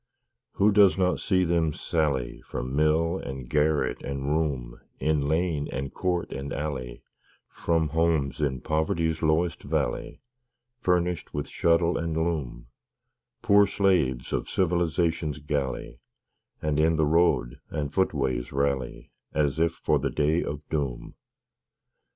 Who does not see them sally From mill, and garret, and room, In lane, and court and alley, From homes in poverty's lowest valley, Furnished with shuttle and loom Poor slaves of Civilization's galley And in the road and footways rally, As if for the Day of Doom?